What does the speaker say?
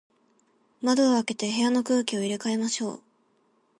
窓を開けて、部屋の空気を入れ替えましょう。